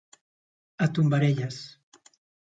A tombarelles.